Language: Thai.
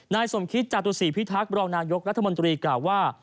นายสมคิตจตุศีพิทักษ์รองนายกรัฐมนตรีกล่าวว่า